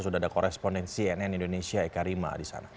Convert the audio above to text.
sudah ada korespondensi nn indonesia eka rima di sana